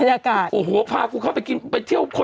หนูมกูไปก๊าเตอ๊ย